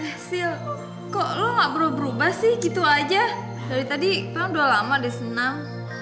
eh sil kok lo gak berubah berubah sih gitu aja dari tadi kayaknya udah lama deh senang